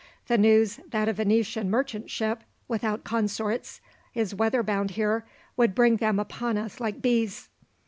The news that a Venetian merchant ship, without consorts, is weather bound here, would bring them upon us like bees.